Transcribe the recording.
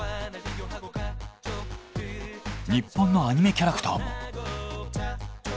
日本のアニメキャラクターも。